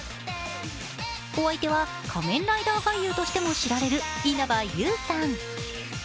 お相手は仮面ライダー俳優としても知られる稲葉友さん。